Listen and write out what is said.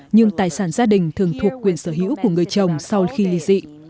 nhưng tài sản gia đình thường thuộc quyền sở hữu của người chồng sau khi ly dị